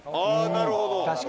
あぁなるほど。